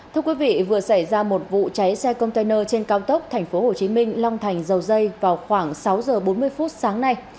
thưa quý vị vừa xảy ra một vụ cháy xe container trên cao tốc tp hcm long thành dầu dây vào khoảng sáu giờ bốn mươi phút sáng nay